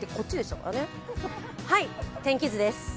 はい、天気図です。